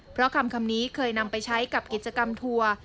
เพราะคำนี้เคยนำไปใช้กับกิจกรรมทัวร์